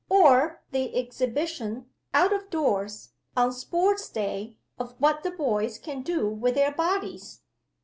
or the exhibition, out of doors (on Sports day), of what the boys can do with their bodies?